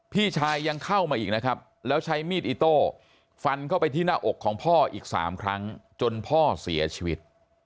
พี่ชายยังเข้ามาอีกนะครับแล้วใช้มีดอิโต้ฟันเข้าไปที่หน้าอกของพ่ออีก๓ครั้งจนพ่อเสียชีวิต